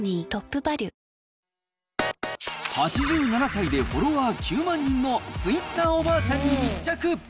８７歳でフォロワー９万人のツイッターおばあちゃんに密着。